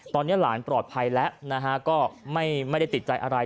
ตอนนี้หลานปลอดภัยแล้วนะฮะก็ไม่ได้ติดใจอะไร